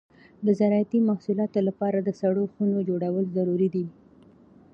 د زراعتي محصولاتو لپاره د سړو خونو جوړول ضروري دي.